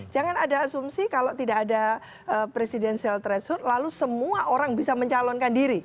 jangan ada asumsi kalau tidak ada presidensial threshold lalu semua orang bisa mencalonkan diri